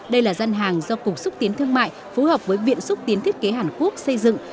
đây là dân hàng do cục xúc tiến thương mại phối hợp với viện xúc tiến thiết kế hàn quốc xây dựng